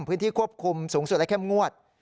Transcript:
พื้นที่ควบคุมสูงสุดและเข้มงวด